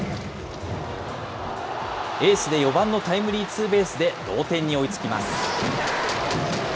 エースで４番のタイムリーツーベースで同点に追いつきます。